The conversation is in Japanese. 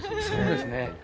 そうですね。